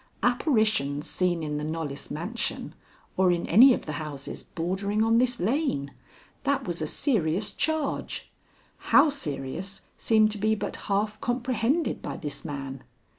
Apparitions seen in the Knollys mansion or in any of the houses bordering on this lane! That was a serious charge; how serious seemed to be but half comprehended by this man.